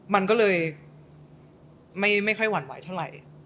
มันก็เลยไม่ค่อยหวั่นไหวเท่าไหร่